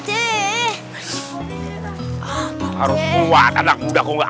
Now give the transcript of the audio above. terbukti semuanya jadi kongsi